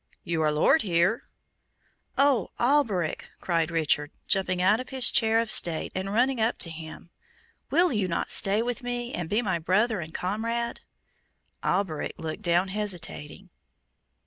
"You are Lord here." "Oh, Alberic!" cried Richard, jumping out of his chair of state, and running up to him, "will you not stay with me, and be my brother and comrade?" Alberic looked down hesitating.